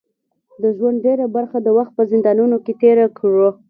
د ژوند ډیره برخه د وخت په زندانونو کې تېره کړه.